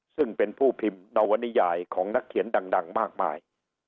ซึ่งเป็นผู้พิมพ์นวนิยายของนักเขียนดังมากมาย